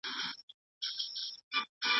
هغه د هغې په بریا کې ځان شریک وباله.